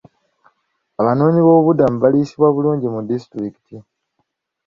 Abanoonyi boobubudamu baliisibwa bulungi mu disitulikiti.